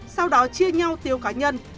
sau đó chia nhau tiêu cá nhân